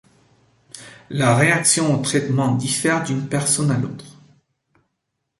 La réaction au traitement diffère d’une personne à l’autre.